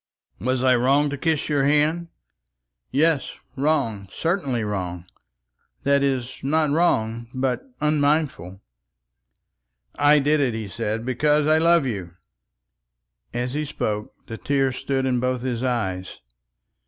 "Was I wrong to kiss your hand?" "Yes, wrong, certainly wrong; that is, not wrong, but unmindful." "I did it," he said, "because I love you." And as he spoke the tears stood in both his eyes.